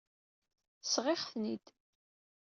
Sɣiɣ-ten-id.